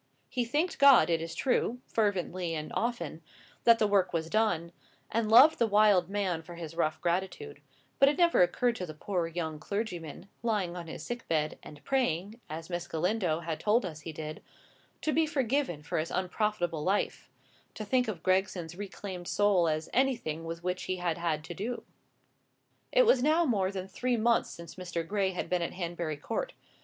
He thanked God, it is true, fervently and often, that the work was done; and loved the wild man for his rough gratitude; but it never occurred to the poor young clergyman, lying on his sick bed, and praying, as Miss Galindo had told us he did, to be forgiven for his unprofitable life, to think of Gregson's reclaimed soul as anything with which he had had to do. It was now more than three months since Mr. Gray had been at Hanbury Court.